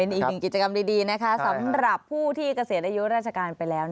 เป็นอีกกิจกรรมดีสำหรับผู้ที่เกษตรอายุราชการไปแล้ว